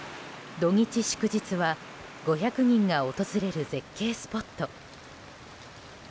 土日祝日は５００人が訪れる絶景スポット。